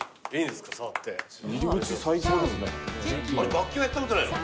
楽器はやったことないの？